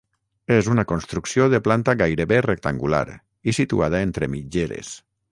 És una construcció de planta gairebé rectangular i situada entre mitgeres.